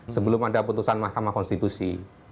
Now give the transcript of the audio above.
sebelum ada putusan mahkamah konstitusi